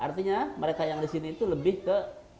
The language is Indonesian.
artinya mereka yang disini itu lebih ke